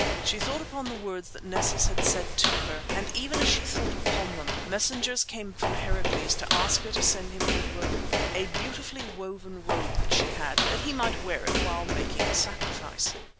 She thought upon the words that Nessus had said to her, and even as she thought upon them messengers came from Heracles to ask her to send him a robe a beautifully woven robe that she had that he might wear it while making a sacrifice.